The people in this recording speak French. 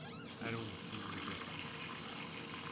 Allons, fill's ou garçons !